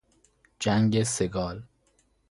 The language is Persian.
جنگ سگال